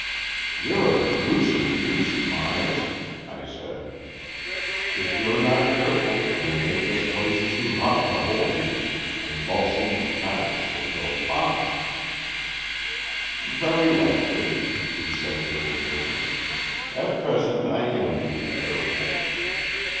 ''You're a gruesome beast, Myas," I said. "If you're not careful, you'll make this place too hot to hold you, and Vulsame's practice will go pop." D 50 AN EXCHANGE OF SOULS "Very likely," he said, with indifference. "At present I am being careful."